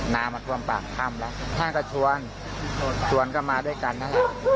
น้ำมันท่วมปากท่ำแล้วท่านก็ชวนชวนก็มาด้วยกันนะฮะ